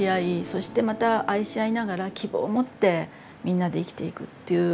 そしてまた愛し合いながら希望を持ってみんなで生きていくという。